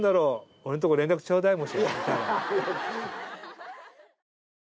俺んとこ連絡ちょうだい。